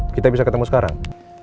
kita bisa ketemu sekarang